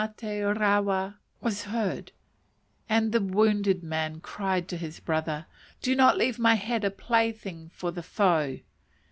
mate rawa!_" was heard; and the wounded man cried to his brother, "Do not leave my head a plaything for the foe."